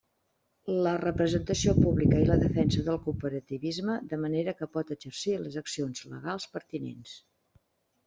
La representació pública i la defensa del cooperativisme, de manera que pot exercir les accions legals pertinents.